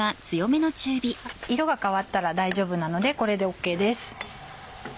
色が変わったら大丈夫なのでこれでＯＫです。